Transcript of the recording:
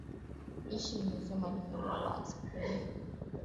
Jeshi linasema limeua waasi kumi